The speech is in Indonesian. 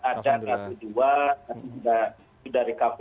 ada yang ke dua